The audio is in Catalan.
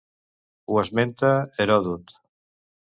Ho esmenta Heròdot.